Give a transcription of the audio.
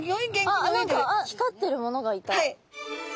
あ何か光ってるものがいた。